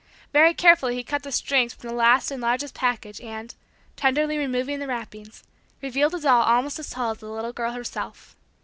Very carefully he cut the strings from the last and largest package and, tenderly removing the wrappings, revealed a doll almost as tall as the little girl herself.